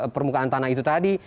permukaan tanah itu tadi